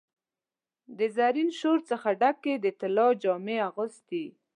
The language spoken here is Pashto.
د زرین شور څخه ډکي، د طلا جامې اغوستي